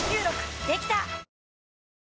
できた！